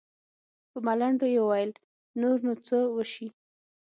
په ملنډو يې وويل نور نو څه وسي.